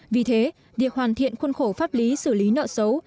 vì thế việc hoàn thiện khuôn khổ pháp lý xử lý nợ xấu